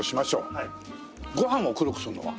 ご飯を黒くするのは？